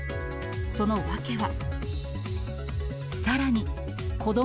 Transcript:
その訳は。